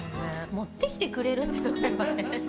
持ってきてくれるっていうのがね。